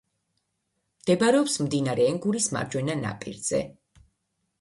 მდებარეობს მდინარე ენგურის მარჯვენა ნაპირზე.